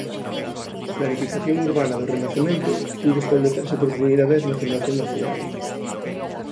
A planificación urbana do Renacemento puido establecerse por primeira vez na fundación da cidade.